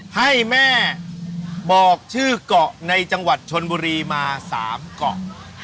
ให้แม่บอกชื่อเกาะในจังหวัดชนบุรีมา๓เกาะ